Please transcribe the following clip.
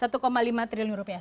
satu lima triliun rupiah